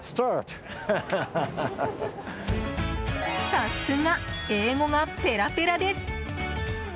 さすが！英語がペラペラです。